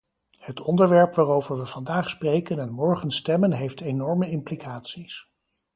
Het onderwerp waarover we vandaag spreken en morgen stemmen heeft enorme implicaties.